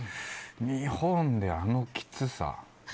日本で、あのきつさ。